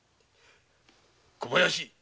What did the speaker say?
小林。